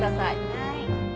はい。